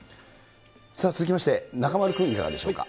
続きまして、中丸君、いかがでしょうか。